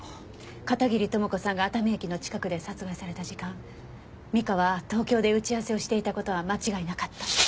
片桐朋子さんが熱海駅の近くで殺害された時間美香は東京で打ち合わせをしていた事は間違いなかった。